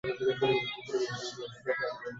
আমাদের নারকেল ভেঙে দিতে হবে - কি?